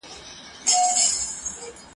بل ته پاته سي که زر وي که دولت وي ..